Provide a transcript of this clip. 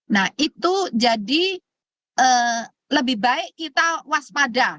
nah itu jadi lebih baik kita waspada